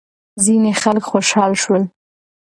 ځینې خلک خوشحال شول.